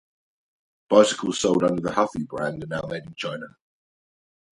Bicycles sold under the Huffy brand are now made in China.